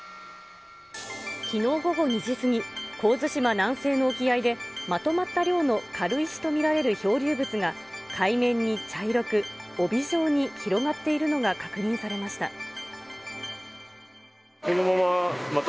きのう午後２時過ぎ、神津島南西の沖合で、まとまった量の軽石と見られる漂流物が、海面に茶色く帯状に広がっているのが確認されました。